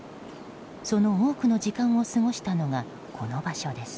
その多くの時間を過ごしたのがこの場所です。